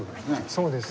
そうです。